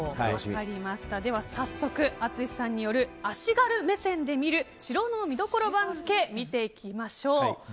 では早速、淳さんによる足軽目線で見る城の見どころ番付を見ていきましょう。